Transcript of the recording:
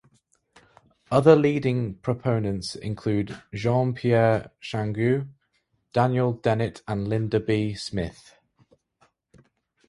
Other leading proponents include Jean-Pierre Changeux, Daniel Dennett and Linda B. Smith.